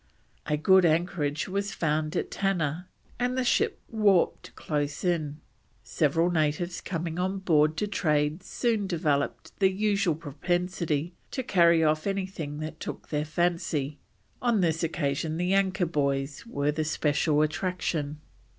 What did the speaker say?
A good anchorage was found at Tanna, and the ship warped close in. Several natives coming on board to trade soon developed the usual propensity to carry off anything that took their fancy on this occasion the anchor buoys were the special attraction.